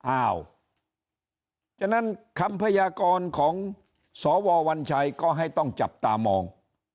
ฉะนั้นคำพยากรของสววัญชัยก็ให้ต้องจับตามอง